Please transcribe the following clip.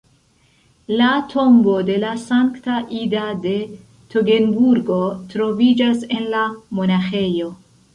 La tombo de la Sankta Ida de Togenburgo troviĝas en la monaĥejo.